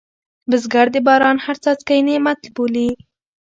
بزګر د باران هر څاڅکی نعمت بولي